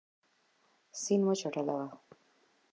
سیند مه چټلوه.